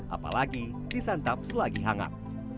apalagi disantap selagi hangat